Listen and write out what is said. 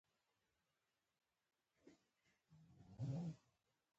په افغانستان کې پکتیا د خلکو د ژوند په کیفیت تاثیر کوي.